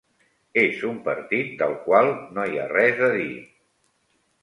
És un partit del qual no hi ha res a dir.